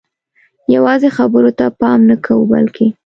یوازې خبرو ته پام نه کوو بلکې